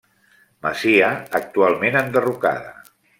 Masia actualment enderrocada.